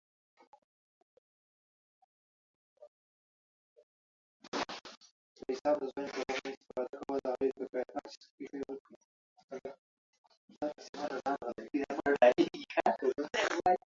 لږ وځنډېدم.